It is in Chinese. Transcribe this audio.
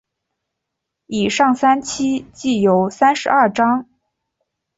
以上三期计有三十二章。